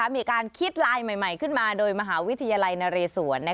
มีการคิดไลน์ใหม่ขึ้นมาโดยมหาวิทยาลัยนเรศวร